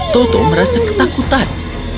toto merasa ketakutan